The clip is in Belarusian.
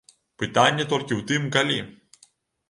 Пытанне толькі ў тым, калі?